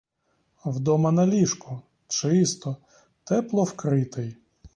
Вдома на ліжку, чисто, тепло вкритий.